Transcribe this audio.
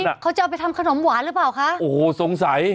เขาจะเอาไปทำขนมหวานหรือเปล่าคะโอ้โหสงสัย